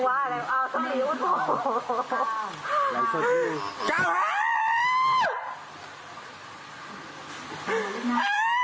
ออกทีแล้วนะคะออกทีแล้วนะคะออกทีแล้วนะคะออกทีแล้วนะคะ